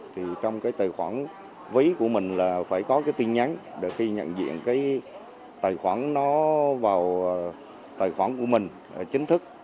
thì trong cái tài khoản ví của mình là phải có cái tin nhắn để khi nhận diện cái tài khoản nó vào tài khoản của mình chính thức